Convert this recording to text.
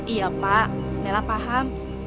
iya pak lela paham